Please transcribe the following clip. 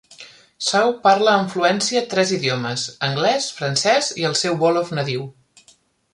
Sow parla amb fluència tres idiomes, anglès, francès i el seu wolof nadiu.